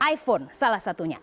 iphone salah satunya